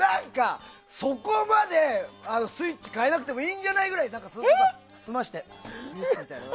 そこまでスイッチ変えなくてもいいんじゃないってくらいすましてて。